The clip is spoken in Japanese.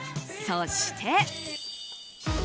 そして。